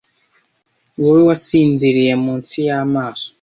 wowe wasinziriye munsi y'amaso